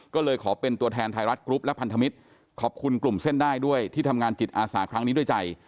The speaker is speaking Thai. ก็เลยขอเป็นตัวแทนไทยรัฐกรุ๊ปและพันธมิตรขอบคุณกลุ่มเส้นได้ด้วยที่ทำงานจิตอาสาครั้งนี้ด้วยใจ